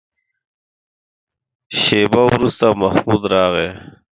شېبه وروسته محمود راغی.